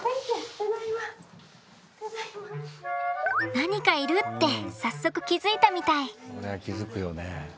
「なにかいる！」って早速気付いたみたい。